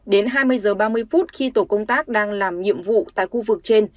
đến hai mươi h ba mươi phút khi tổ công tác đang làm nhiệm vụ tại khu vực trên